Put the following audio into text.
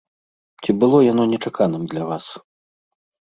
Ці было яно нечаканым для вас?